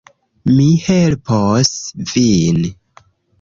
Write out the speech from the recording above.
Mi helpos vin